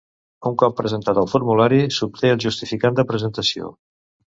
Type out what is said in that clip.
Un cop presentat el formulari, s'obté el justificant de presentació.